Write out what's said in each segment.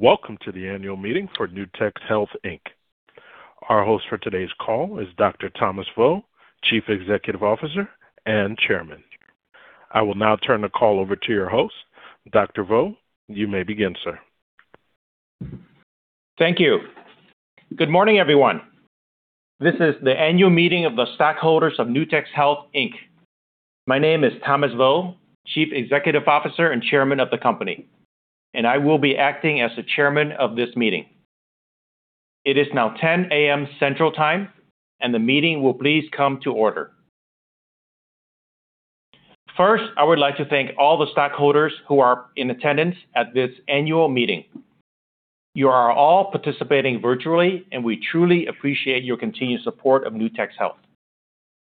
Welcome to the Annual Meeting for Nutex Health, Inc. Our host for today's call is Dr. Thomas T. Vo, Chief Executive Officer and Chairman. I will now turn the call over to your host. Dr. Vo, you may begin, sir. Thank you. Good morning, everyone. This is the annual meeting of the stockholders of Nutex Health, Inc. My name is Thomas Vo, Chief Executive Officer and Chairman of the company, and I will be acting as the Chairman of this meeting. It is now 10:00 A.M. Central Time, and the meeting will please come to order. First, I would like to thank all the stockholders who are in attendance at this annual meeting. You are all participating virtually, and we truly appreciate your continued support of Nutex Health.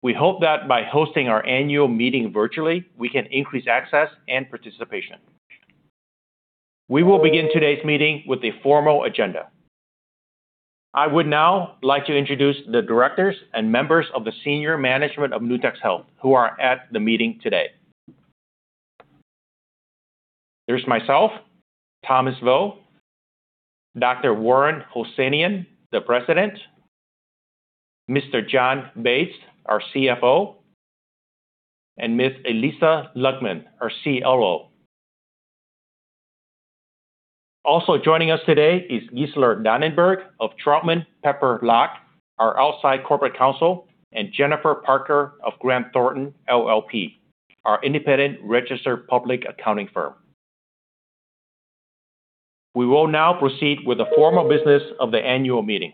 We hope that by hosting our annual meeting virtually, we can increase access and participation. We will begin today's meeting with a formal agenda. I would now like to introduce the directors and members of the senior management of Nutex Health who are at the meeting today. There's myself, Thomas Vo, Dr. Warren Hosseinion, the President, Mr. Jon Bates, our CFO, and Ms. Elisa Luqman, our COO. Also joining us today is Gisela Dannenberg of Troutman Pepper Locke, our outside corporate counsel, and Jennifer Parker of Grant Thornton LLP, our independent registered public accounting firm. We will now proceed with the formal business of the annual meeting.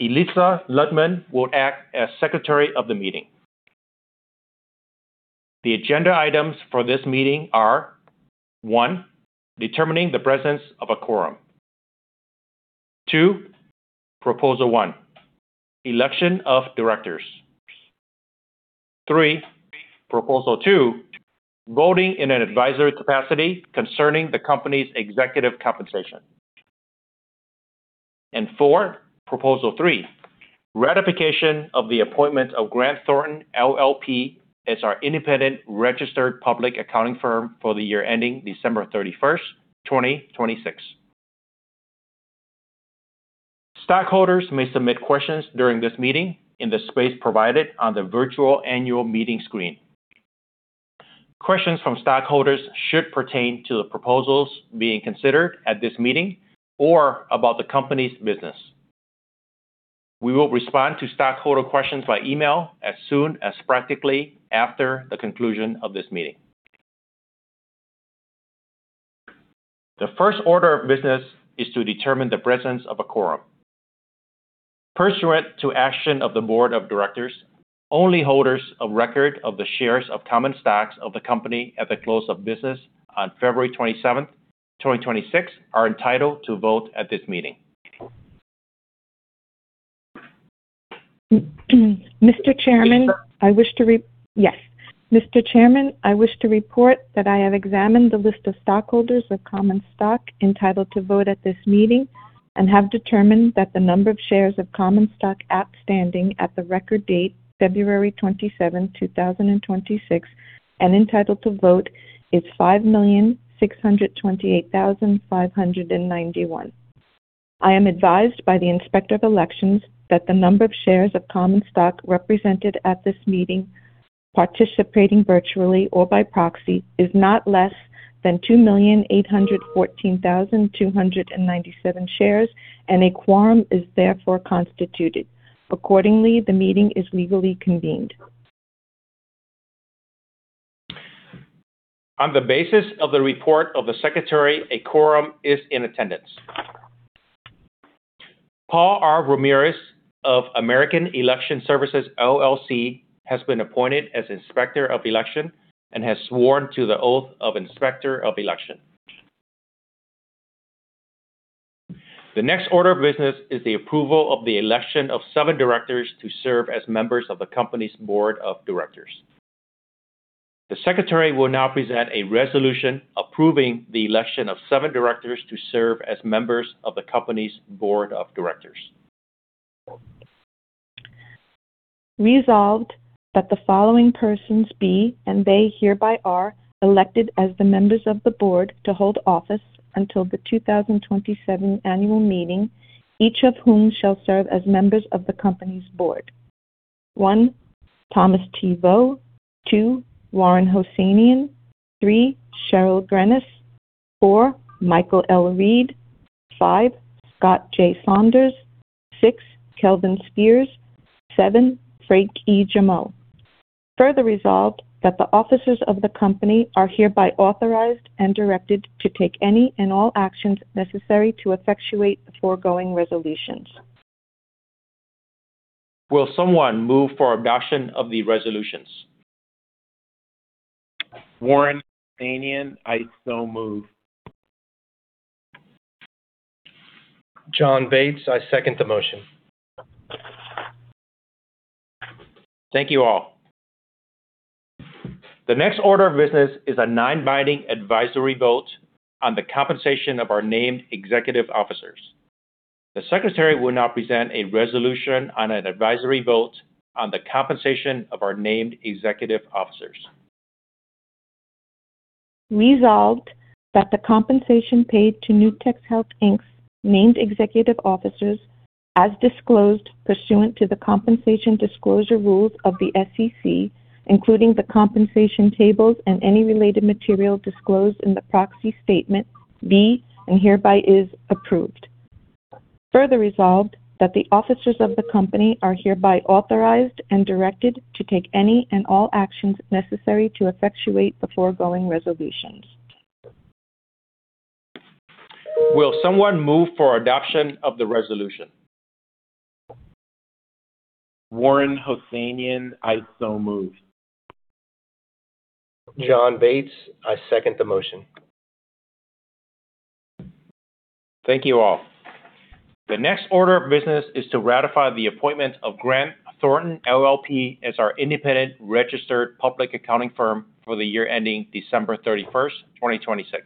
Elisa Luqman will act as secretary of the meeting. The agenda items for this meeting are 1, determining the presence of a quorum, 2, proposal one, election of directors, 3, proposal two, voting in an advisory capacity concerning the company's executive compensation, and 4, proposal three, ratification of the appointment of Grant Thornton LLP as our independent registered public accounting firm for the year ending December 31st, 2026. Stockholders may submit questions during this meeting in the space provided on the virtual annual meeting screen. Questions from stockholders should pertain to the proposals being considered at this meeting or about the company's business. We will respond to stockholder questions by email as soon as practicable after the conclusion of this meeting. The first order of business is to determine the presence of a quorum. Pursuant to action of the board of directors, only holders of record of the shares of common stocks of the company at the close of business on February 27th, 2026, are entitled to vote at this meeting. Mr. Chairman, I wish to report that I have examined the list of stockholders of common stock entitled to vote at this meeting and have determined that the number of shares of common stock outstanding at the record date February 27th, 2026, and entitled to vote is 5,628,591. I am advised by the Inspector of Elections that the number of shares of common stock represented at this meeting, participating virtually or by proxy, is not less than 2,814,297 shares, and a quorum is therefore constituted. Accordingly, the meeting is legally convened. On the basis of the report of the secretary, a quorum is in attendance. Paul R. Ramirez of American Election Services, LLC has been appointed as Inspector of Election and has sworn to the oath of Inspector of Election. The next order of business is the approval of the election of seven directors to serve as members of the company's board of directors. The secretary will now present a resolution approving the election of seven directors to serve as members of the company's board of directors. Resolved that the following persons be, and they hereby are, elected as the members of the board to hold office until the 2027 annual meeting, each of whom shall serve as members of the company's board. 1, Thomas T. Vo. 2, Warren Hosseinion. 3, Cheryl Grenas. 4, Michael L. Reed. 5, Scott J. Saunders. 6, Kelvin Spears. 7, Frank E. Jaumot. Further resolved that the officers of the company are hereby authorized and directed to take any and all actions necessary to effectuate the foregoing resolutions. Will someone move for adoption of the resolutions? Warren Hosseinion. I so move. Jon Bates. I second the motion. Thank you all. The next order of business is a non-binding advisory vote on the compensation of our named executive officers. The secretary will now present a resolution on an advisory vote on the compensation of our named executive officers. Resolved that the compensation paid to Nutex Health Inc.'s named executive officers as disclosed pursuant to the compensation disclosure rules of the SEC, including the compensation tables and any related material disclosed in the proxy statement, be and hereby is approved. Further resolved that the officers of the company are hereby authorized and directed to take any and all actions necessary to effectuate the foregoing resolutions. Will someone move for adoption of the resolution? Warren Hosseinion. I don't move. Jon Bates. I second the motion. Thank you all. The next order of business is to ratify the appointment of Grant Thornton LLP as our independent registered public accounting firm for the year ending December 31st, 2026.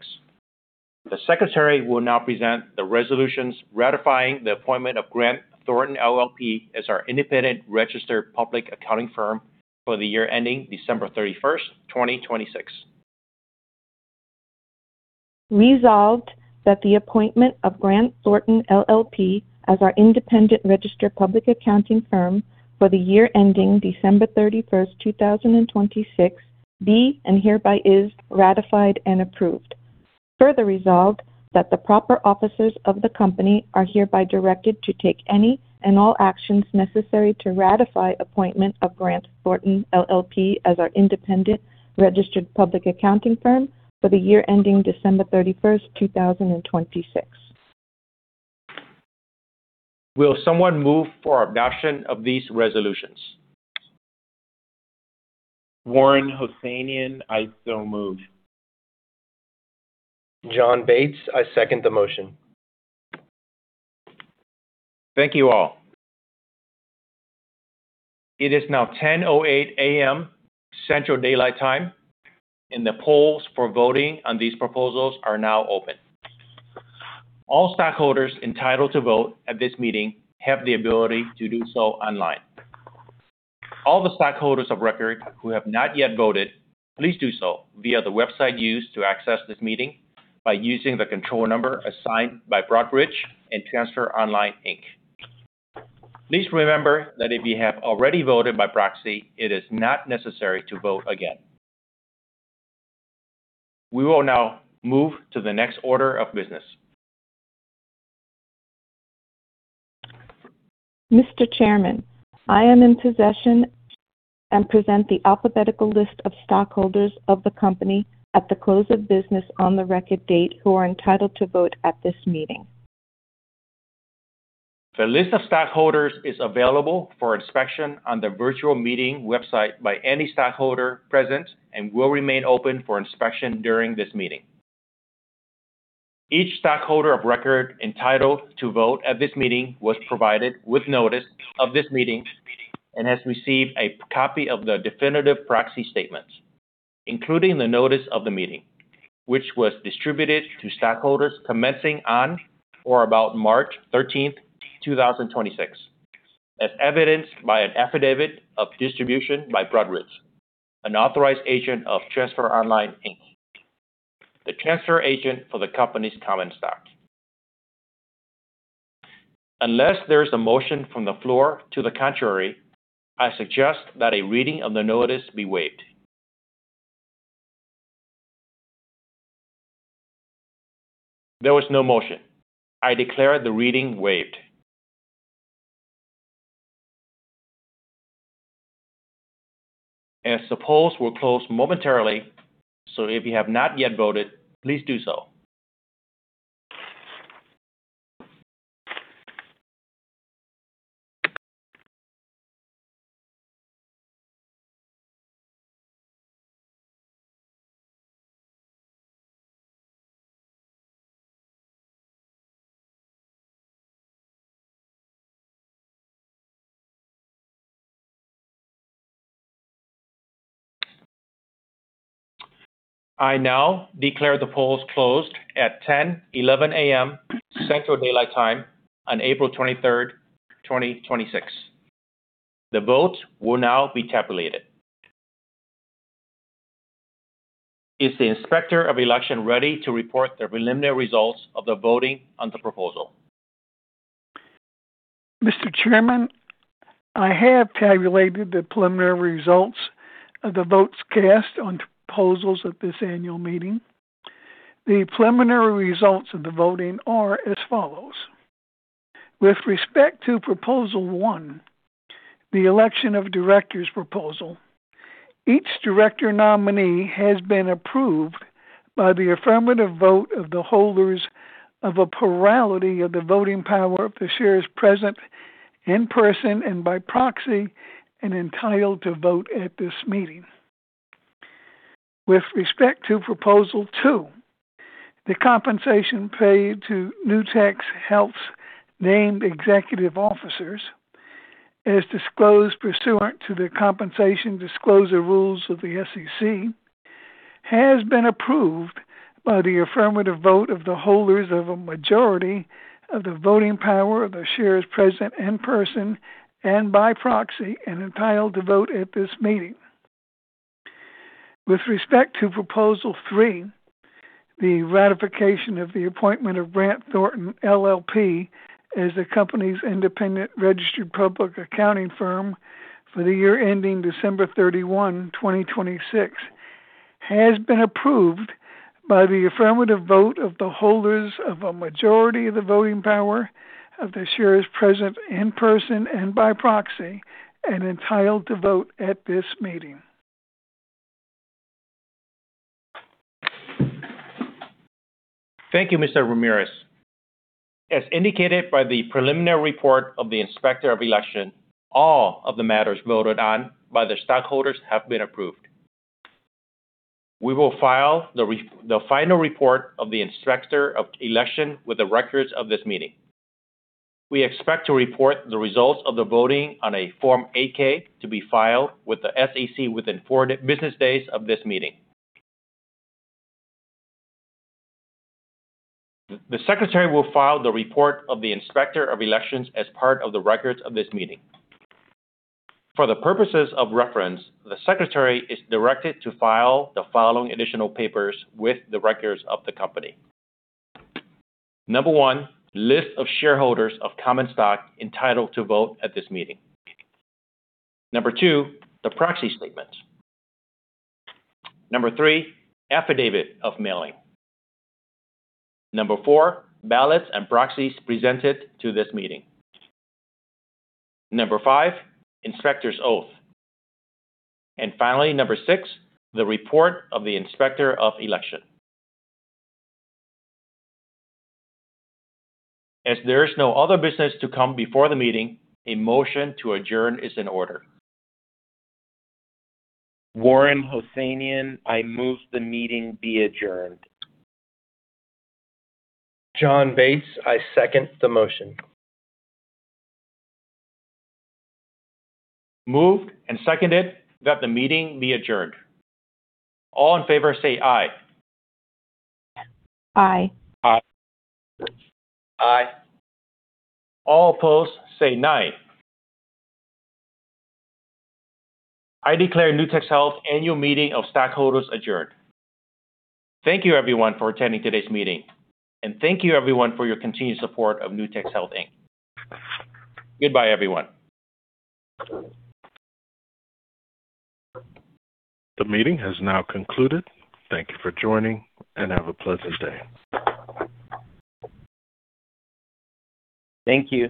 The secretary will now present the resolutions ratifying the appointment of Grant Thornton LLP as our independent registered public accounting firm for the year ending December 31st, 2026. Resolved that the appointment of Grant Thornton LLP as our independent registered public accounting firm for the year ending December 31st, 2026, be and hereby is ratified and approved. Further resolved that the proper officers of the company are hereby directed to take any and all actions necessary to ratify appointment of Grant Thornton LLP as our independent registered public accounting firm for the year ending December 31st, 2026. Will someone move for adoption of these resolutions? Warren Hosseinion. I don't move. Jon Bates. I second the motion. Thank you all. It is now 10:08 A.M. Central Daylight Time, and the polls for voting on these proposals are now open. All stockholders entitled to vote at this meeting have the ability to do so online. All the stockholders of record who have not yet voted, please do so via the website used to access this meeting by using the control number assigned by Broadridge and Transfer Online, Inc. Please remember that if you have already voted by proxy, it is not necessary to vote again. We will now move to the next order of business. Mr. Chairman, I am in possession and present the alphabetical list of stockholders of the company at the close of business on the record date who are entitled to vote at this meeting. The list of stockholders is available for inspection on the virtual meeting website by any stockholder present and will remain open for inspection during this meeting. Each stockholder of record entitled to vote at this meeting was provided with notice of this meeting and has received a copy of the definitive proxy statement, including the notice of the meeting, which was distributed to stockholders commencing on or about March 13th, 2026, as evidenced by an affidavit of distribution by Broadridge, an authorized agent of Transfer Online, Inc., the transfer agent for the company's common stock. Unless there's a motion from the floor to the contrary, I suggest that a reading of the notice be waived. There was no motion. I declare the reading waived. The polls will close momentarily, so if you have not yet voted, please do so. I now declare the polls closed at 10:11 A.M. Central Daylight Time on April 23rd, 2026. The votes will now be tabulated. Is the inspector of election ready to report the preliminary results of the voting on the proposal? Mr. Chairman, I have tabulated the preliminary results of the votes cast on proposals at this annual meeting. The preliminary results of the voting are as follows. With respect to proposal one, the election of directors proposal, each director nominee has been approved by the affirmative vote of the holders of a plurality of the voting power of the shares present in person and by proxy and entitled to vote at this meeting. With respect to proposal two, the compensation paid to Nutex Health's named executive officers, as disclosed pursuant to the compensation disclosure rules of the SEC, has been approved by the affirmative vote of the holders of a majority of the voting power of the shares present in person and by proxy, and entitled to vote at this meeting. With respect to proposal three, the ratification of the appointment of Grant Thornton LLP as the company's independent registered public accounting firm for the year ending December 31st, 2026, has been approved by the affirmative vote of the holders of a majority of the voting power of the shares present in person and by proxy and entitled to vote at this meeting. Thank you, Mr. Ramirez. As indicated by the preliminary report of the inspector of election, all of the matters voted on by the stockholders have been approved. We will file the final report of the inspector of election with the records of this meeting. We expect to report the results of the voting on a Form 8-K to be filed with the SEC within four business days of this meeting. The Secretary will file the report of the inspector of elections as part of the records of this meeting. For the purposes of reference, the Secretary is directed to file the following additional papers with the records of the company. Number one, list of shareholders of common stock entitled to vote at this meeting. Number two, the proxy statement. Number three, affidavit of mailing. Number four, ballots and proxies presented to this meeting. Number five, inspector's oath. Finally, number six, the report of the inspector of election. As there is no other business to come before the meeting, a motion to adjourn is in order. Warren Hosseinion. I move the meeting be adjourned. Jon Bates. I second the motion. Moved and seconded that the meeting be adjourned. All in favor say aye. Aye. Aye. Aye. All opposed say nay. I declare the Nutex Health annual meeting of stockholders adjourned. Thank you everyone for attending today's meeting, and thank you everyone for your continued support of Nutex Health, Inc. Goodbye everyone. The meeting has now concluded. Thank you for joining and have a pleasant day. Thank you.